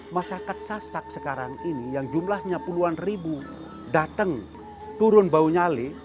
masyarakat sasak sekarang ini yang jumlahnya puluhan ribu datang turun bau nyali